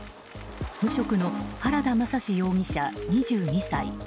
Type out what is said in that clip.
無職の原田将容疑者、２２歳。